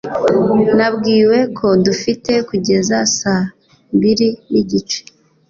Nabwiwe ko dufite kugeza saa mbiri nigice